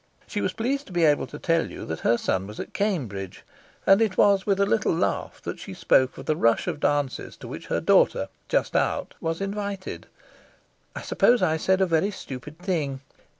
She was pleased to be able to tell you that her son was at Cambridge, and it was with a little laugh that she spoke of the rush of dances to which her daughter, just out, was invited. I suppose I said a very stupid thing.